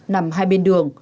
nằm hai bên đường